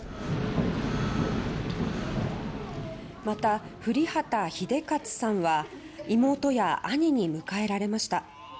また降籏英捷さんは妹や兄に迎えられました。